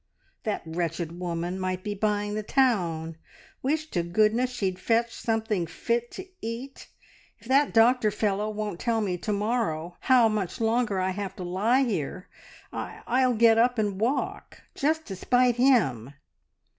That wretched woman might be buying the town ... wish to goodness she'd fetch something fit to eat. If that doctor fellow won't tell me to morrow how much longer I have to lie here, I'll I'll get up and walk, just to spite him!"